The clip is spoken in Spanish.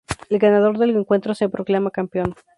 El ganador del encuentro se proclama campeón.